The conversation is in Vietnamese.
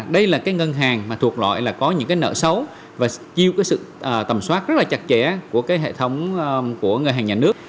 đây là cái ngân hàng mà thuộc loại là có những cái nợ xấu và chiêu cái sự tầm soát rất là chặt chẽ của cái hệ thống của ngân hàng nhà nước